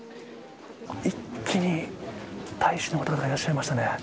一気に大使の方々がいらっしゃいましたね。